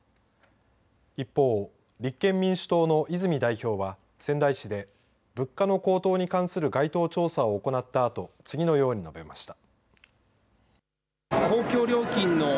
一方、立憲民主党の泉代表は仙台市で物価の高騰に関する街頭調査を行ったあと次のように述べました。